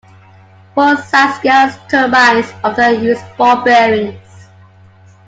Full-size gas turbines often use ball bearings.